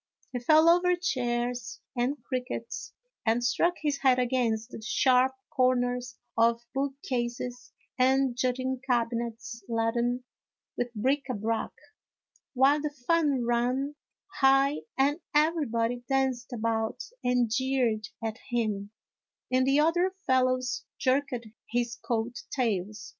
He fell over chairs and crickets, and struck his head against the sharp corners of bookcases and jutting cabinets laden with bric a brac, while the fun ran high and everybody danced about and jeered at him, and the other fellows jerked his coat tails.